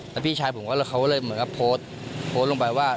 แล้วพี่ชายผมเขาเลยโพสต์ลงไปว่า